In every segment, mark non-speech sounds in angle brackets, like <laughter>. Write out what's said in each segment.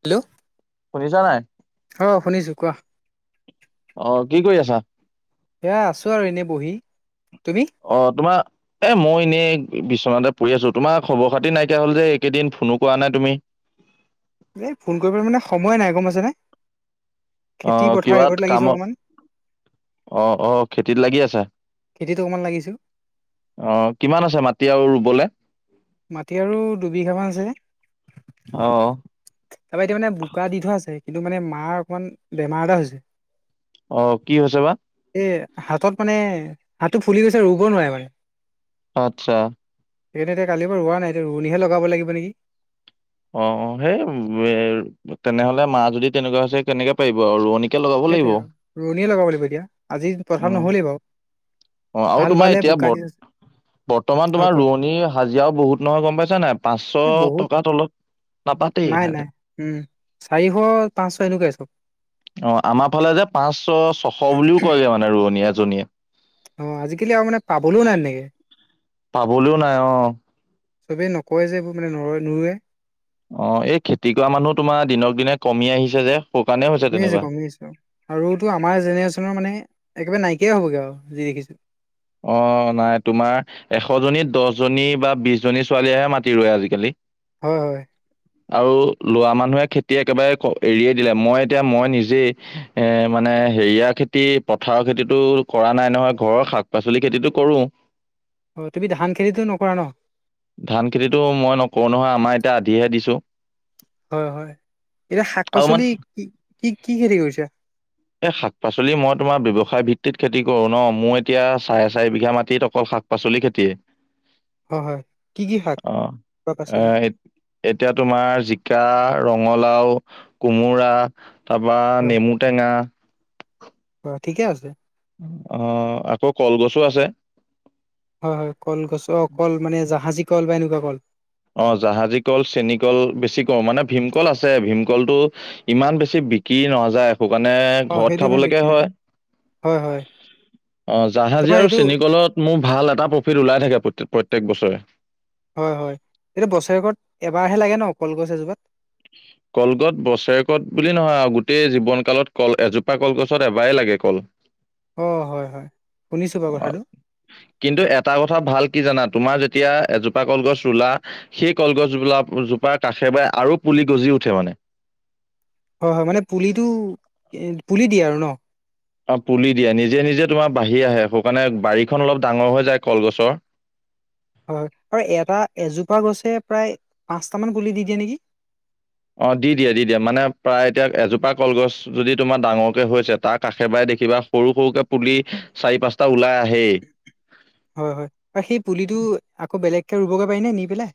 Hello শুনিছা নাই? অ শুনিছোঁ, কোৱা। অ', কি কৰি আছা? সেয়া, আছো আৰু এনেই বহি, তুমি? অ', তোমাৰ এ মই এনেই বিচনাতে পৰি আছো, তোমাৰ খবৰ খাতি নাইকিয়া হল যে, এই একেইদিন ফোনো কৰা নাই তুমি এই ফোন কৰিবলৈ মানে সময়ে নাই গম পাইছানে? খেতি অ', পথাৰ কিবা এইবোৰত লাগিছো কামত, অকণমান অ', অ', খেতিত লাগি আছা। খেতি অকণমান লাগিছো। অ', কিমান আছে মাটি আৰু ৰুবলৈ? মাটি আৰু দুবিঘামন আছেগৈ। অ' তাৰপৰা এতিয়া মানে বোকা দি থোৱা আছে। কিন্তু মানে মাৰ অকমান বেমাৰ এটা হৈছে। অ', কি হৈছে বা? এই হাতত মানে হাতটো ফুলি গৈছে ৰুব নোৱাৰে মানে। আচ্ছা। সেইকাৰণে এতিয়া কালিৰে পৰা ৰোৱা নাই। এতিয়া ৰুৱনীহে লগাব লাগিব নেকি। অ', অ', সেই তেনেহলে মা যদি তেনেকুৱা হৈছে কেনেকে পাৰিব আৰু ৰোৱনী সেইটোৱেই আৰু ৰোৱনীয়ে লগাব লাগিব এতিয়া আজি পথাৰ উম, নহলেই বাৰু অ', আৰু হাল তোমাৰ বালে এতিয়া বোকা দি বৰ আছে। বৰ্তমান হয় তোমাৰ কোৱা ৰোৱনী হাজিৰাও বহুত নহয় গম পাইছা নাই এ পাঁচশ বহুত টকা তলত নাই নাপাতেই। নাই উম চাৰিশ পাঁচশ এনেকুৱাই চব। অ আমাৰ ফালে যে পাঁচশ ছশ বুলিও কয়গে মানে ৰোৱনী এজনীয়ে। অ', আজিকালি আৰু মানে পাবলৈও নাই তেনেকৈ। পাবলৈও নাই অ' চবেই নকৰে যে, এইবোৰ মানে নুৰুৱে-নুৰুৱে। অ', এই খেতি কৰা মানুহ তোমাৰ দিনক দিনে কমি আহিছে যে শুকানেই হৈছে তেনেকুৱা বুজিলো বাৰু আৰুতো আমাৰ জেনেৰেশ্যনৰ মানে একেবাৰে নাইকিয়াই হ'বগৈ আৰু যি দেখিছো অ', নাই তোমাৰ এশজনী দহজনী বা বিশজনী ছোৱালীয়েহে মাতি ৰয় আজিকালি হয় হয়। আৰু লৰা মানুহে খেতি একেবাৰে এৰিয়ে দিলে মই এতিয়া মই নিজেই এ মানে হেৰিয়াাৰ খেতি পথাৰৰ খেতিতটো কৰা নাই নহয় ঘৰৰ শাক হেৰি খেতিটো কৰো অ', তুমি ধান খেতিটো নকৰা ন ধান খেতিটো মই নকৰোঁ নহয় আমাৰ এতিয়া আলিহে দিছোঁ হয় হয় এতিয়া শাক আৰু মানে পাচলি কি কি কি খেতি কৰিছা এই শাক পাচলি মই তোমাৰ ব্যয়ৱসায় ভিত্তিত খেতি কৰো ন মই এতিয়া চাৰে চাৰি বিঘা মাটিত অকল শাক পাচলি খেতিয়ে হয় হয় কি কি শাক অ', বা পাচলি এই এতিয়া তোমাৰ জিকা ৰঙালাও কোমোৰা তাৰপা নেমু টেঙা অ', ঠিকে আছে অ', আকৌ কলগছো আছে হয় হয় কলগছ অ কল মানে জাহাজী কল বা এনেকুৱা কল অ', জাহাজী কল চেনী কল বেছি কৰো মানে ভীমকল আছে ভীমকলটো ইমান বেছি বিক্ৰি নাযায় একো কাৰণে অ ঘৰত সেইটো ইমান খাবলগীয়া বিক্ৰী নাই হয় হয় হয় অ', জাহাজী তোমাৰ আৰু এইটো চেনীকলত মোৰ ভাল এটা প্ৰফিট ওলাই থাকে প্ৰ প্ৰত্যক বছৰে হয় হয় এতিয়া বছৰেকৰত এবাৰহে লাগে ন কলগছ এজোপাত কলগত বছেৰেকত বুলি নহয় আৰু গোটেই জীৱন কালত কল এজোপা কলগছত এবাৰ লাগে কল <inaudible> অ', হয় হয় শুনিছোঁ বাৰু অ, কথাটো কিন্তু এটা কথা ভাল কি জানা তোমাৰ যেতিয়া এজোপা কলগছ ৰুলা সেই কলগছ গলা জোপাৰ কাষেৰে আৰু পুলি গজি উঠে মানে হয় হয় মানে পুলিটো পুলি দিয়ে আৰু ন অ', পুলি দিয়ে নিজে নিজে তোমাৰ বাঢ়ি আহে সেই কাৰণে বাৰীখন অলপ ডাঙৰ হৈ যায় কলগছৰ হয় আৰু এটা এজোপা গছে প্ৰায় পাঁচটামান পুলি দি দিয়ে নেকি অ', দি দিয়ে, দি দিয়ে মানে প্ৰায় এতিয়া এজোপা কলগছ যদি তোমাৰ ডাঙৰকে হৈছে তাৰ কাষে পাষে দেখিবা সৰু, সৰুকে পুলি চাৰি পাঁচটা ওলাই আহে। হয়, হয়, বা সেই পুলিটো আকৌ বেলেগকে ৰুবগৈ পাৰি নে নি পেলাই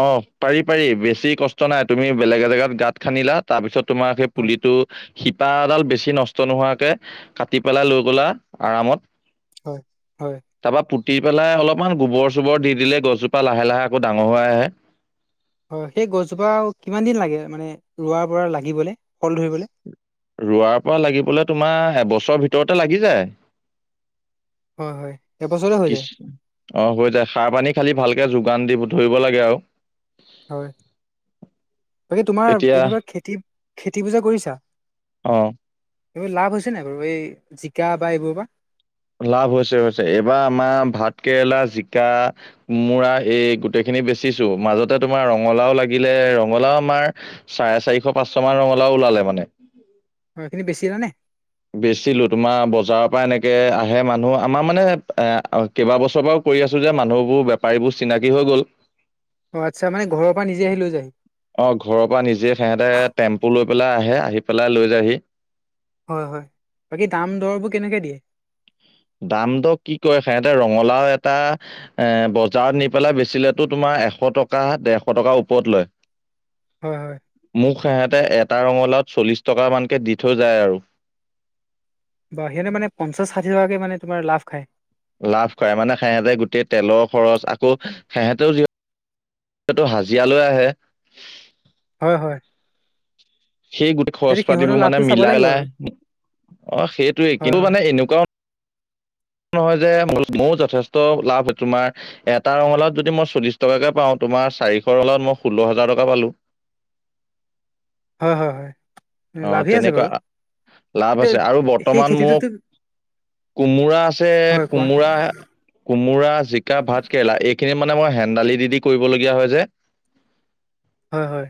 অ', পাৰি পাৰি বেছি কষ্ট নাই তুমি বেলেগ এ জেগাত গাঁত খান্দিলা তাৰপিছত তোমাৰ সেই হয় পুলিটো শিপা এডাল বেছি নষ্ট নষ্ট, নোহোৱাকে কাটি পেলাই লৈ গলা আৰামত হয়, হয়, তাৰপৰা পুতি পেলাই অলপমান গোবৰ চোবৰ দি দিলে গছজোপা লাহে লাহে আকৌ ডাঙৰ হৈ আহে। <inaudible> হয়, সেই গছজোপা কিমান দিন লাগে মানে ৰোৱাৰ পৰা লাগিবলৈ ফল ধৰিবলৈ ৰোৱাৰ পৰা লাগিবলৈ তোমাৰ এবছৰৰ ভিতৰতে লাগি যায়। হয়, হয়, এবছৰে হৈ কিছ যায়। অ', হৈ যায় সাৰ পানী খালি ভালকে যোগান দি ধৰিব লাগে আৰু হয়, বাকী তোমাৰ এতিয়া এনেকুৱা খেতি খেতি বোজা কৰিছা অ', এইবোৰ লাভ হৈছে নাই বাৰু এই জিকা বা এইবোৰৰ পৰা লাভ হৈছে হৈছে এইবাৰ আমাৰ ভাত কেৰেলা জিকা কোমোৰা এই গোটেইখিনি বেচিছো। মাজতে তোমাৰ ৰঙালাও লাগিলে ৰঙালাও আমাৰ চাৰে চাৰিশ পাঁচশ মান ৰঙালাও ওলালে মানে। অ', এইখিনি বেছিলা নে বেচিলো তোমাৰ বজাৰৰ পৰা এনেকে আহে মানুহ আমাৰ মানে এ কেইবাবছৰৰ পৰাও কৰি আছো যে মানুহবোৰ বেপাৰীবোৰ চিনাকি হৈ গ'ল। অ', আচ্ছা মানে ঘৰ পৰা নিজে আহি লৈ যায়। অ', ঘৰৰ পৰা নিজে সিহঁতে টেম্পু লৈ পেলাই আহে আহি পেলাই লৈ যায়হি। হয় হয় বাকী দাম দৰবোৰ কেনেকে দিয়ে দাম দ কি কয় সিহঁতে ৰঙালাও এটা এ বজাৰত নি পেলাই বেচিলেতো তোমাৰ এশ টকা ডেৰশ টকাৰ ওপৰত লয়। হয় হয়। মোক সিহঁতে এটা ৰঙালাওত চল্লিছ টকামানকে দি থৈ যায় আৰু সিহঁতে মানে পঞ্চাচ ষাঠি টকাকে মানে তোমাৰ লাভ খাই। লাভ কৰে মানে সিহেঁতে গোটেই তেলৰ খৰচ আকৌ সিহেঁতেও যি- টো হাজিৰালৈ আহে হয়, হয়। সেই গোটেই খ, ৰচ সেইটো সিহঁতৰ পাতিবোৰ মানে লাভটো চাব লাগিব মিলাইলাই আৰু অ সেইটোয়ে হয় কিন্তু মানে এনেকুৱাও নহয় যে ময়ো যথেষ্ট লাভ তোমাৰ এটা ৰঙালত যদি মই চল্লিশ টকাকে পাওঁ তোমাৰ চাৰিশ ৰঙালত মই ষোল্ল হাজাৰ টকা পালো। হয়, হয়, হয়। হয় অ', লাভেই আছে তেনেকুৱা বাৰু লাভ এতিয়া আছে। আৰু সেই বৰ্তমান খেতিটোতো মোক কোমোৰা আছে হয় কোৱা কোমোৰা কোমোৰা জিকা ভাত কেৰেলা এইখিনি মানে মই হেন্দালি দি দি কৰিবলগীয়া হয় যে হয় হয়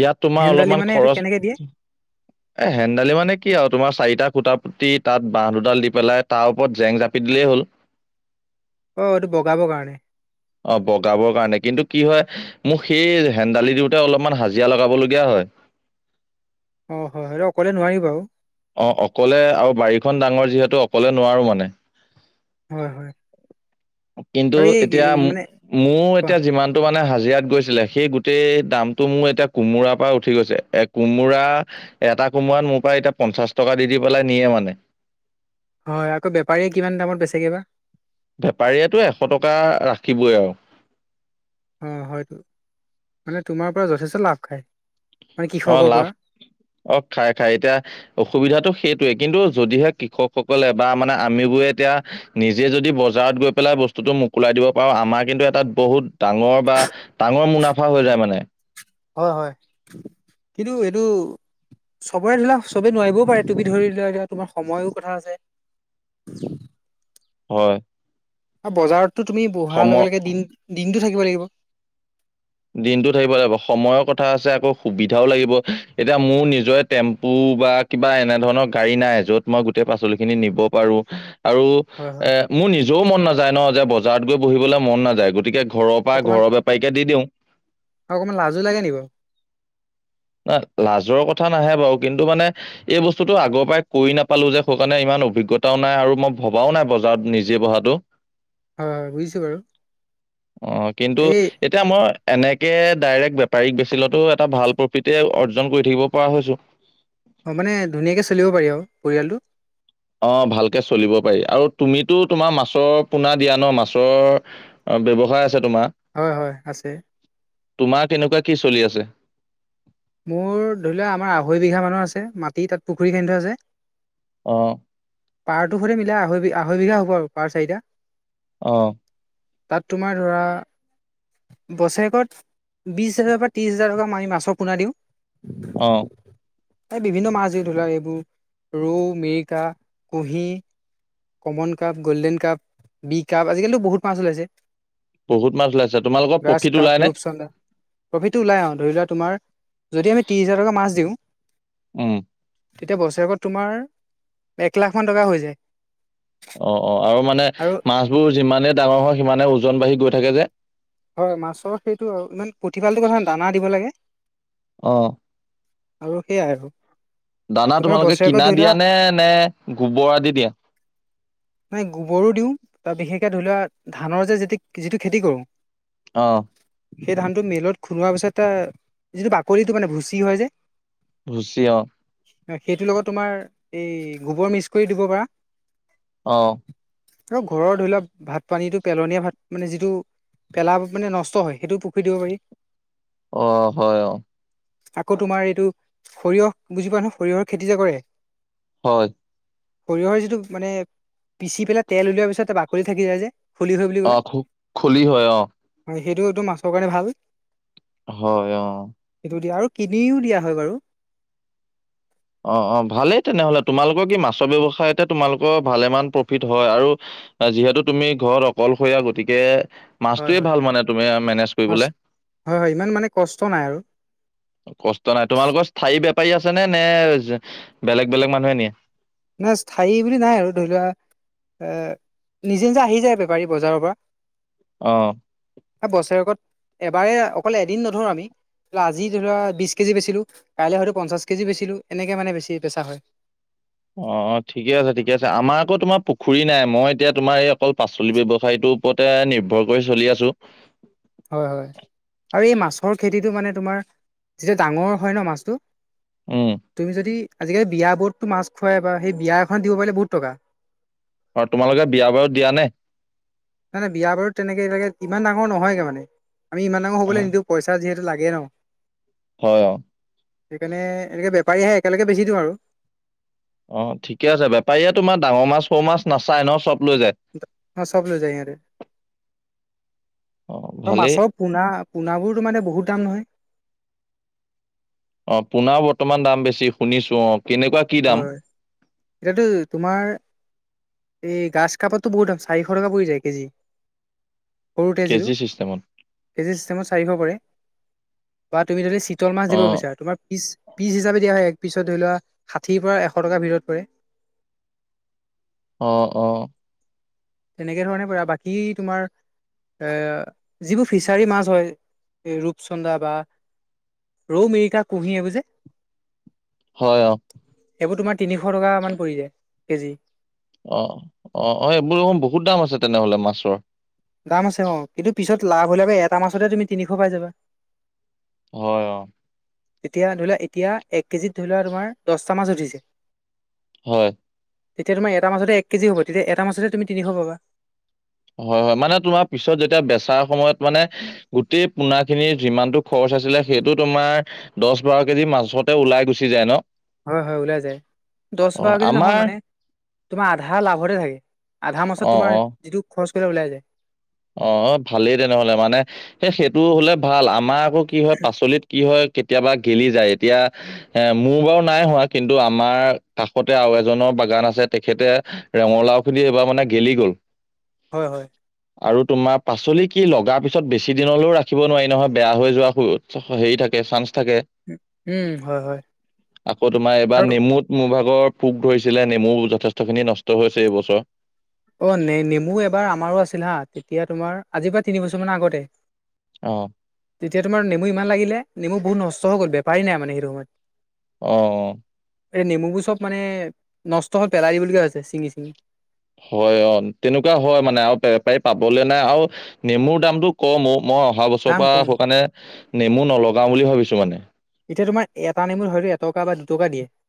ইয়াত তোমাৰ হেন্দালি অলপমান মানে এইটো খৰচ কেনেকে দিয়ে এ হেন্দালি মানে কি আৰু তোমাৰ চাৰিটা খুটা পুতি তাত বাহ দুডাল দি পেলাই তাৰ ওপৰত জেং জ যাপি দিলেই হ'ল। অ', এইটো বগাবৰ কাৰণে <inaudible> অ', বগাবৰ কাৰণে কিন্তু কি হয় মোৰ সেই হেন্দালি দিওঁতে অলপমান হাজিৰা লগাবলগীয়া হয়। অ', হয় আৰু অকলে নোৱাৰি বাৰু অ', অকলে আৰু বাৰীখন ডাঙৰ যিহেতু অকলে নোৱাৰো মানে হয় হয় কিন্তু, আৰু এই কি এতিয়া‌ মো- মানে মোৰ, কোৱা এতিয়া যিমানতটো মানে হাজিৰাাত গৈছিলে সেই গোটেই দামটো মোৰ এতিয়া কোমোৰাৰ পৰা উঠি গৈছে এক কোমোৰা এটা কোমোৰাত মোৰ পৰা এতিয়া পঞ্চাশ টকা দি, দি পেলাই নিয়ে মানে। হয়, আকৌ বেপাৰীয়ে কিমান দামত বেচেগে বা বেপাৰীয়েতো এশ টকা ৰাখিবই আৰু। অ, হয়তো মানে তোমাৰ পৰা যথেষ্ট লাভ খায়। মানে অ, কৃষকৰ লাভ পৰা অ, খাই, খাই এতিয়া অসুবিধাটো সেইটোৱে কিন্তু যদিহে কৃষকসকলে বা মানে আমিবোৰে এতিয়া নিজে যদি বজাৰত গৈ পেলাই বস্তুটো মোকলাই দিব পাৰো আমাৰ কিন্তু এটা বহুত ডাঙৰ বা ডাঙৰ মুনাফা হৈ যায় মানে। হয়, হয় কিন্তু এইটো চবৰে ধৰি ল চবে নোৱাৰিবও পাৰে তুমি ধৰি লোৱা তোমাৰ সময়ো কথা আছে। হয়। আৰু বজাৰতো তুমি বহাৰ সময় লগে, লগে দিন-দিনতটো থাকিব লাগিব। দিনটো থাকিব লাগিব সময়ৰ কথা আছে। আকৌ সুবিধাও লাগিব এতিয়া মোৰ নিজৰে টেম্পু বা কিবা এনে ধৰণৰ গাড়ী নাই যত মই গোটেই পাচলি খিনি নিব পাৰো আৰু হয় হয় মোৰ নিজেও মন নাযায় ন, যে বজাৰত গৈ বহিবলৈ মন নাযায় গতিকে ঘৰৰ পৰা অকমান ঘৰৰ বেপাৰিকে দি দিওঁ। অকমান লাজু লাগে নিব। তাত লাজৰ কথা নাহে বাৰু কিন্তু মানে এই বস্তুটো আগৰ পৰাই কৈ নাপালো যে সেইকাৰণে ইমান অভিজ্ঞতাও নাই আৰু মই ভবাও নাই বজাৰত নিজে বঢ়াত টো, হয় হয় বুজিছো বাৰু অ, কিন্তু এই এতিয়া মই এনেকে ডাইৰেক্ট বেপাৰীক বেছিলেটো এটা ভাল তি অৰ্জন কৰি থাকিব পৰা হৈছো। অ, মানে ধুনীয়াকৈ চলিব পাৰি আৰু পৰিয়ালটো। অ, ভালকে চলিব পাৰি আৰু তুমিতো তোমাৰ মাছৰ পোনা দিয়া ন? মাছৰ অ, ব্যৱসায় আছে তোমাৰ? হয়, হয় আছে। তোমাৰ কেনেকুৱা কি চলি আছে? মোৰ ধৰি লোৱা আমাৰ আঢ়ৈ বিঘা মানুহ আছে মাটি তাত পুখুৰী খান্দি থোৱা আছে। অ'। পাৰটো সে মিলাই আঢ়ৈ বিঘা আঢ়ৈ বিঘা হ'ব আৰু পাৰ চাৰিটা। অ'। তাত তোমাৰ ধৰা বছৰেকত বিশছ হেজাৰৰ পৰা ত্ৰিছ হোজাৰ টকা আমি মাছৰ পোনা দিওঁ। অ'। এই বিভিন্ন মাছ দি ধৰিলোৱা এইবোৰ ৰৌ, মিৰিকা, কুঁহি common carp, golden carp, B carp, আজিকালিতো বহুত মাছ ওলাইছে। বহুত মাছ ওলাইছে তোমালোকৰ গ্ৰাছ প্ৰফিট কাপ ওলাই নে? ৰূপচন্দা প্ৰফিটটো ওলাই আৰু ধৰি লোৱা তোমাৰ যদি আমি ত্ৰিছ হাজাৰ টকা মাছ দিওঁ। উম। তেতিয়া বছৰেকত তোমাৰ এক লাখ মান টকা হৈ যায়। অ', অ' আৰু মানে আৰু মাছবোৰ যিমানে ডাঙৰ হয় সিমানে ওজন বাঢ়ি গৈ থাকে যে। হয়, মাছৰ সেইটো আৰু ইমান পতিপালটো কথা দানা দিব লাগে। অ'। আৰু সেইয়াই আৰু। দানা তোমাৰ তোমালোকে বছৰেকত কিনা ধৰি লোৱা দিয়া নে, নে গোবৰ আদি দিয়া? নাই গোবৰো দিওঁ তাৰ বিশেষকৈ ধৰি লোৱা ধানৰ যে যিটো খেতি কৰোঁ। অ'। সেই ধানটো মিলত খুন্দোৱা পিছত এ যিটো বাকলিটো মানে ভুচি হয় যে। ভুচি অ'। হয়, সেইটোৰ লগত তোমাৰ এই গোবৰ মিক্স কৰি দিব পাৰা। অ', আৰু, ঘৰৰ ধৰি লোৱা ভাত পানীটো পেলনীয়া ভাত মানে যিটো পেলা মানে নষ্ট হ, য় সেইটোও পুখুৰী দিব পাৰি। অ', হয় অ'। আকৌ তোমাৰ এইটো সৰিয়হ বুজি পোৱা নহয় সৰিয়হৰ খেতি যে কৰে। হয়। সৰিয়হৰ যিটো মানে পিচি পেলাই তেল উলওঁৱাৰ পিছত বাকলি থাকি যায় যে খলিহৈ বুলি অ কয়। খু খলি হয় অ হয়, সেইটো মাছৰ কাৰণে ভাল। হয় অ'। সেইটো দিয়া আৰু কিনিও দিয়া হয় বাৰু। অ', অ', ভালেই তেনেহ'লে তোমালোকৰ কি মাছৰ ব্যৱসায়তে তোমালোকৰ ভালে মান প্ৰফিট হয় আৰু যিহেতু, তুমি ঘৰত অকলশৰীয়া গতিকে হয় মাছটোয়ে হয়। ভাল মানে তুমি মেনেজ মাছ কৰিবলে। হয়, হয় ইমান মানে কষ্ট নাই আৰু। কষ্ট নাই তোমালোকৰ স্থায়ী বেপাৰী আছে নে নে বেলেগ বেলেগ মানুহে নিয়ে? নাই, স্থায়ী বুলি নাই আৰু ধৰি লোৱা নিজে নিজে আহি যায় বেপাৰী বজাৰৰ পৰা। অ',। বছৰেকত এবাৰে, অকল এদিন নধৰো আমি আজি ধৰি লোৱা বিশ কেজি বেচিলোঁ, কাইলৈ হয়টো পঞ্চাছ কেজি বেচিলোঁ, এনেকে মানে বেছি বেচা হয়। অ', অ', ঠিকে আছে ঠিকে আছে আমাৰ আকৌ তোমাৰ পুখুৰী নাই মই এতিয়া তোমাৰ এই অকল পাচলি ব্যৱসায়টো ওপতে নিৰ্ভৰ কৰি চলি আছো। হয়, হয়, আৰু এই মাছৰ খেতিটো মানে তোমাৰ যেতিয়া ডাঙৰ হয় ন মাছটো উম, তুমি যদি আজিকালি বিয়া বোৰতটো মাছ খুৱাই বা সেই বিয়া এখনত দিব পাৰিলে বহুত টকা। আৰু তোমালোকে বিয়া বাৰু দিয়া নে? নাই নাই বিয়া বাৰু তেনেকে এইবিলাক ইমান ডাঙৰ নহয়গে মানে, আমি ইমান ডাঙৰ হ'বলৈ হয় নিদিওঁ পইচা যিহেতু লাগে ন হয়, অ', সেইকাৰণে, এনেকে বেপাৰী আহে একেলগে বেছি দিওঁ আৰু। অ', ঠিকে আছে বেপাৰীয়ে তোমাৰ ডাঙৰ মাছ, সৰু মাছ নাচায় ন, চব লৈ যায়। অ', চব লৈ যায় সিঁহতি। অ', মাছৰ পোনা, পোনাবোৰতো মানে বহুত দাম নহয়। অ', পুনা বৰ্তমান দাম বেছি শুনিছো অ, কেনেকুৱা কি দাম? হয় এতিয়াতো তোমাৰ এই গাছ কাপতটো বহুত দাম চাৰিশ টকা পৰি যায় কেজি, সৰুকেজিটো কেজি চিষ্টেমত কেজি চিষ্টেমত চাৰিশ পৰে বা তুমি যদি চিতল মাছ দিব অ' বিচাৰা তোমাৰ পিচ পিচ হিচাপে দিয়া হয় এক পিছত ধৰি লোৱা ষাঠিৰ পৰা এশ টকা ভিতৰত পৰে। অ', অ', তেনেকে ধৰণে পৰে আৰু বাকী তোমাৰ এ যিবোৰ ফিচাৰী মাছ হয় এই ৰূপচন্দা বা ৰৌ, মিৰিকা কুঁহি এইবোৰ যে হয়, অ', এইবোৰ তোমাৰ তিনিশ টকামান পৰি যায় কেজি। অ', অ', এইবোৰ দেখোন বহুত দাম আছে তেনেহলে মাছৰ দাম আছে অ, কিন্তু পিছত লাভ হ'লে এটা মাছতে তুমি তিনিশ পাই যাবা। হয়। অ' তেতিয়া ধৰি লোৱা এতিয়া এক কেজিত ধৰি লোৱা তোমাৰ দহটা মাছ উঠিছে হয়। তেতিয়া তোমাৰ এটা মাছতে এক কেজি হ'ব তেতিয়াটা তুমি এটা মাছতে তিনিশ পাবা। হয় হয়। মানে তোমাৰ পিছত যেতিয়া বেচাৰ সময়ত মানে গোটেই পোনা খিনিৰ যিমানতটো খৰচ আছিলে সেইটো তোমাৰ দহ বাৰ কেজি মাছতে ওলাই গুচি যায় ন? হয়, হয় ওলাই যায় দহ অ বাৰ কেজি নহয় আমাৰ মানে তোমাৰ আধা লাভতে থাকে, আধা মাছতে অ তোমাৰ অ যিটো খৰচ কৰিলে ওলাই যায়। অ, ভালেই তেনেহলে, মানে সেইটো হ'লে ভাল। আমাৰ আকৌ কি হয় পাচলিত কি হয় কেতিয়াবা গেলি যায় এতিয়া এ, মোৰ বাৰু নাই হোৱা কিন্তু আমাৰ কাষতে আৰু এজনৰ বাগান আছে তেখেতে ৰঙালাও খিনি এইবাৰ মানে গেলি গ'ল। হয়, হয়। আৰু তোমাৰ পাচলি কি লগাৰ পিছত বেছি দিনলৈও ৰাখিব নোৱাৰি নহয়, বেয়া হৈ যোৱা সু অ', অ', হেৰি থাকে চান্স থাকে। উম হয় হয় আকৌ তোমাৰ এইবাৰ আৰু নেমুত মোৰ ভাগৰ পোক ধৰিছিলে নেমু যথেষ্ট খিনি নষ্ট হৈছে এইবছৰ। অ, নে-নেমু এবাৰ আমাৰো আছিল হা তেতিয়া তোমাৰ আজিৰ পৰা তিনি বছৰ মান আগতে অ'। তেতিয়া তোমাৰ নেমু ইমান লাগিলে নেমু বহুত নষ্ট হৈ গ'ল, বোপাৰী নাই মানে সেইটো সময়ত। অ', অ'। এই নেমুবোৰ চব মানে নষ্ট হ'ল পেলাই দিব লগীয়া হৈছে ছিঙি, ছিঙি। হয়, অ, তেনেকুৱা হয় মানে আৰু পাৰি পাবলৈ নাই আৰু। নেমুৰ দামতটো কম। মই অহা বছৰৰ দাম কম পৰা কাৰণে নেমু নলগাও বুলি ভাবিছো মানে। এতিয়া তোমাৰ এটা নেমুৰ হয়তো এটকা বা দুটকা দিয়ে।